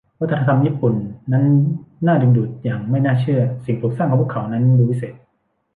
วัฒนธรรมญี่ปุ่นนั้นน่าดึงดูดอย่างไม่น่าเชื่อ สิ่งปลูกสร้างของพวกเขานั้นดูวิเศษ